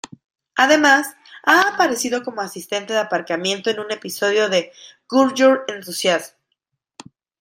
Además, ha aparecido como asistente de aparcamiento en un episodio de "Curb Your Enthusiasm".